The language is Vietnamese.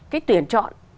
cái tuyển chọn